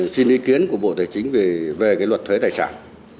xin ý kiến của bộ tài chính về cái luật thuế tài sản